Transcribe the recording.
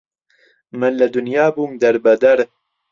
من لە دونیا بوم دەر بەدەر